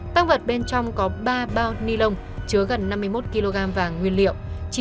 tăng vật bên trong có ba bao ni lông chứa gần năm mươi một kg vàng nguyên liệu